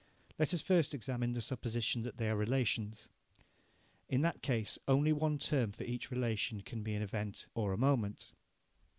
Let us first examine the supposition that they are relations. In that case only one term of each relation can be an event or a moment.